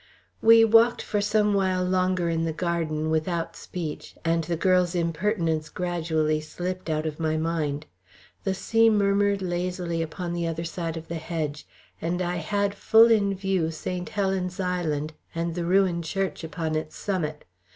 We walked for some while longer in the garden, without speech, and the girl's impertinence gradually slipped out of my mind. The sea murmured lazily upon the other side of the hedge, and I had full in view St. Helen's Island and the ruined church upon its summit.